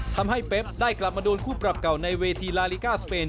ทำให้เป๊บได้กลับมาโดนคู่ปรับเก่าในเวทีลาลิกาสเปน